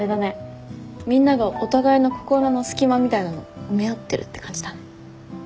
みんながお互いの心の隙間みたいなの埋め合ってるって感じだね。